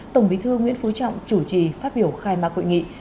tổng bí thư nguyễn phú trọng chủ trì phát biểu khai mạc hội nghị